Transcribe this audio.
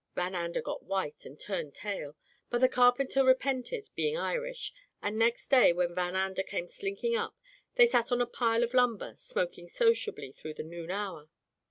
Van Ander got white and turned tail. But the carpenter repented, be ing Irish, and next day, when Van Ander came slinking up, they sat on a pile of lum ber, smoking sociably through the noon hour.